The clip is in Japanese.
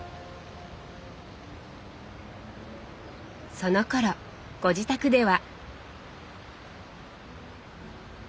そのころご自宅では。